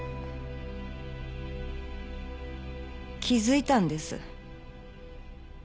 気づいたんです。